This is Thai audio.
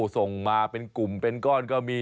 ส่งมาเป็นกลุ่มเป็นก้อนก็มี